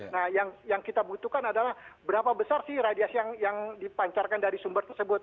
nah yang kita butuhkan adalah berapa besar sih radiasi yang dipancarkan dari sumber tersebut